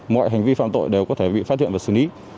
mọi hành vi phạm tội đều có thể bị phát hiện và xử lý